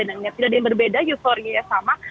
tidak ada yang berbeda euforia sama